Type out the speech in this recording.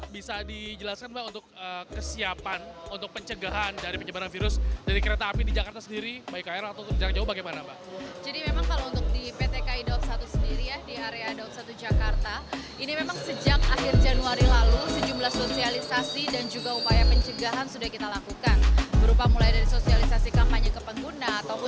bagaimana penyelidikan penyelidikan